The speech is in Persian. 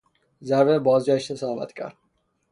ضربه به بازویش اصابت کرد.